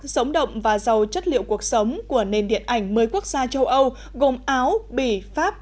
sống động và giàu chất liệu cuộc sống của nền điện ảnh một mươi quốc gia châu âu gồm áo bỉ pháp